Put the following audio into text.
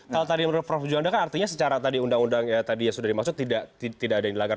kalau menurut prof juanda kan artinya secara tadi undang undang ya tadi sudah dimaksud tidak ada yang dilanggar